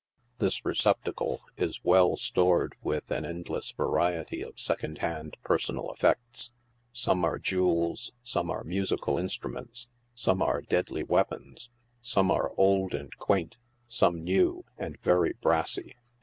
Thi3 receptacle is well stored with an endless variety of secondhand personal effects. Some are jewels, some are musical instruments, some are deadly weapons ; some are old and quaint, some new and very brassy.